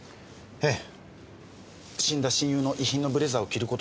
ええ。